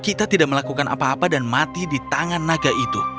kita tidak melakukan apa apa dan mati di tangan naga itu